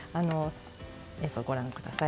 映像、ご覧ください。